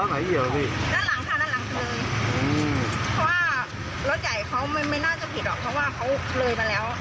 ซึ่งตอนนั้นเราเห็นรถทางนี้มั้ย